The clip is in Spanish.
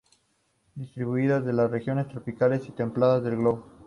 Distribuidas en las regiones tropicales y templadas del globo.